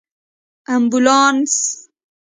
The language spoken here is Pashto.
🚑 امبولانس